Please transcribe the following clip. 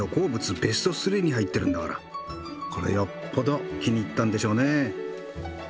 ベスト３に入ってるんだからこれよっぽど気に入ったんでしょうね！